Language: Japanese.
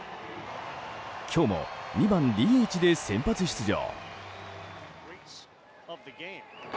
今日も２番ＤＨで先発出場。